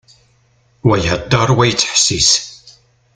Wa ihedder, wa yettḥessis.